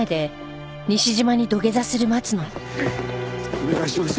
お願いします。